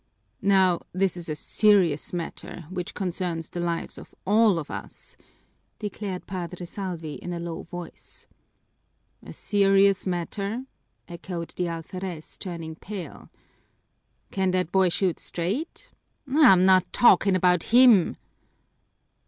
"Now this is a serious matter, which concerns the lives of all of us," declared Padre Salvi in a low voice. "A serious matter?" echoed the alferez, turning pale. "Can that boy shoot straight?" "I'm not talking about him."